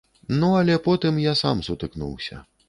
Ну але потым я сам сутыкнуўся.